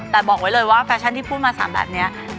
แต่บอกไว้เลยว่าแฟชั่นที่พูดมา๓แบบนี้